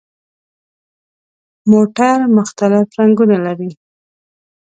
موټر مختلف رنګونه لري.